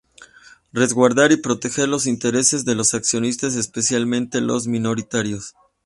Resguardar y proteger los intereses de los accionistas, especialmente los minoritarios.